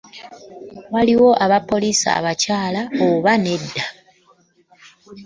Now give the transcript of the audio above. Waliwo abapoliisi abakyala oba nedda?